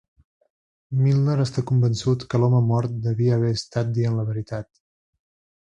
Milner està convençut que l'home mort devia haver estat dient la veritat.